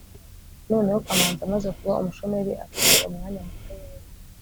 noneho kamanzi amaze kuba umushomeri, afite umwanya muto wubusa